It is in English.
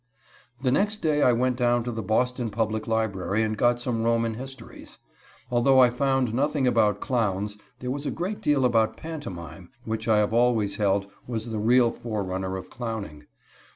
The next day I went down to the Boston Public Library and got some Roman histories. Although I found nothing about clowns, there was a great deal about pantomime, which I have always held was the real forerunner of clowning.